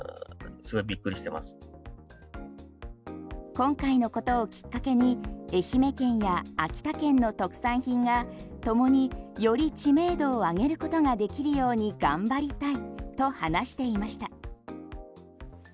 今回のことをきっかけに愛媛県や秋田県の特産品がともにより知名度を上げることができるように頑張りたいと話していました。